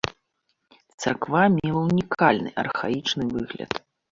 Царква мела ўнікальны архаічны выгляд.